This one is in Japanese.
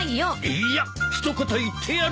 いいや一言言ってやる！